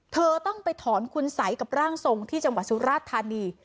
เธอต้องไปถอนคุณสัยกับร่างทรงที่จังหวัดสุราชธานี